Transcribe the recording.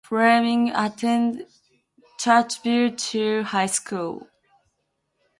Fleming attended Churchville-Chili High School.